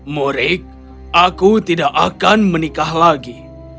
murik aku tidak akan menikah lagi